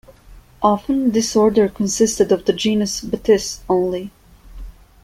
Often this order consisted of the genus "Batis" only.